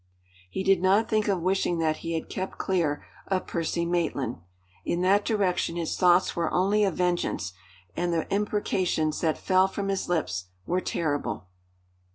He did not think of wishing that he had kept clear of Percy Maitland. In that direction his thoughts were only of vengeance; and the imprecations that fell from his lips were terrible.